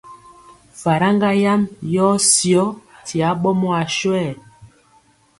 Faraŋga yam yɔɔ syɔ ti aɓɔmɔ aswɛɛ.